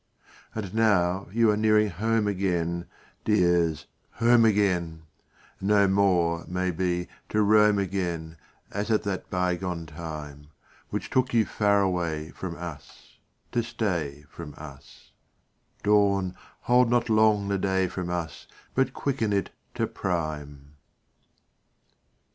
IV And now you are nearing home again, Dears, home again; No more, may be, to roam again As at that bygone time, Which took you far away from us To stay from us; Dawn, hold not long the day from us, But quicken it to prime!